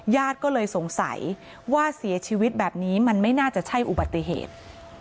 ญาติก็เลยสงสัยว่าเสียชีวิตแบบนี้มันไม่น่าจะใช่อุบัติเหตุ